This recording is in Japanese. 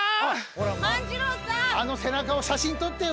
あの背中を写真撮ってよ